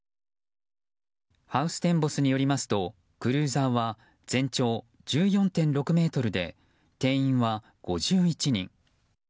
ハウステンボスによりますとクルーザーは全長１４．６ｍで定員は５１人。